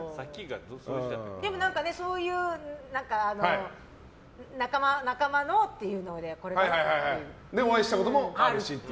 でもそういう仲間のっていうで、お会いしたこともあるし。